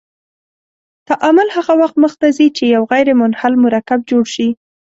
تعامل هغه وخت مخ ته ځي چې یو غیر منحل مرکب جوړ شي.